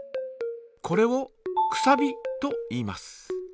これを「くさび」といいます。